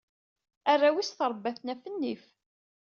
Arraw-is, trebba-ten ɣef nnif.